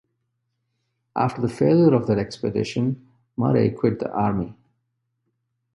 After the failure of that expedition Murray quit the army.